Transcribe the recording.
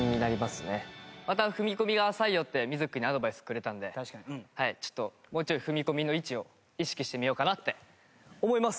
また踏み込みが浅いよって瑞稀君アドバイスくれたのでもうちょい踏み込みの位置を意識してみようかなって思います！